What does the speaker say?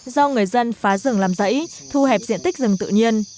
do người dân phá rừng làm rẫy thu hẹp diện tích rừng tự nhiên